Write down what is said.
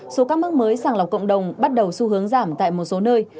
số ca mắc mới sàng lọc cộng đồng bắt đầu xu hướng giảm tại một số nơi